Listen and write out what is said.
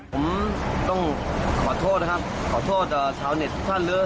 ผมต้องขอโทษนะครับขอโทษชาวเน็ตทุกท่านเลย